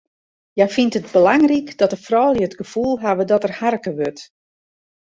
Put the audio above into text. Hja fynt it belangryk dat de froulju it gefoel hawwe dat der harke wurdt.